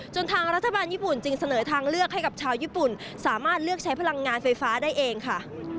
ทางรัฐบาลญี่ปุ่นจึงเสนอทางเลือกให้กับชาวญี่ปุ่นสามารถเลือกใช้พลังงานไฟฟ้าได้เองค่ะ